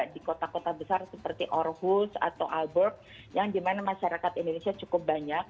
di kota kota besar seperti orhus atau albert yang dimana masyarakat indonesia cukup banyak